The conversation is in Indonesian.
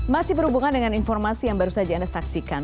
masih berhubungan dengan informasi yang baru saja anda saksikan